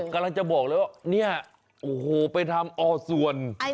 กำลังจะบอกเลยว่าที่นี่ไปทำอ้อส่วน